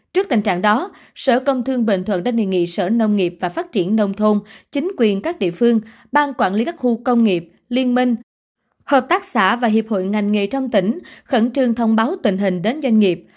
trước tình trạng đó sở công thương bình thuận đã đề nghị sở nông nghiệp và phát triển nông thôn chính quyền các địa phương ban quản lý các khu công nghiệp liên minh hợp tác xã và hiệp hội ngành nghề trong tỉnh khẩn trương thông báo tình hình đến doanh nghiệp